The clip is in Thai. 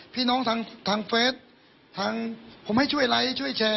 พี่น้องทางทางเฟสทางผมให้ช่วยไลค์ช่วยแชร์